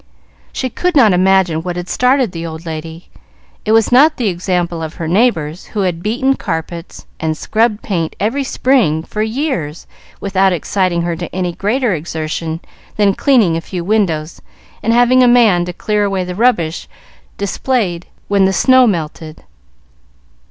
She could not imagine what had started the old lady. It was not the example of her neighbors, who had beaten carpets and scrubbed paint every spring for years without exciting her to any greater exertion than cleaning a few windows and having a man to clear away the rubbish displayed when the snow melted.